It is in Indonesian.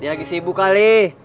dia lagi sibuk kali